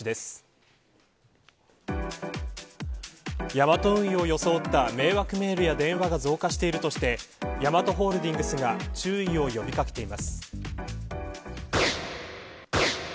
ヤマト運輸を装った迷惑メールや電話が増加しているとしてヤマトホールディングスが注意を呼び掛けています。